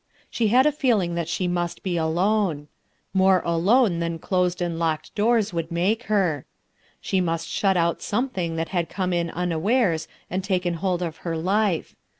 She had a feeling that she must be alone. More alone than closed and locked doors would make her. She must shut out something that had come in unawaras and taken hold of her life.